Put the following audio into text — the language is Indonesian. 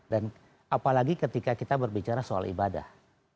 dan apalagi ketika kita berbicara soal ibadah